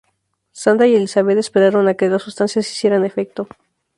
Sandra y Elizabeth esperaron a que las sustancias hicieran efecto.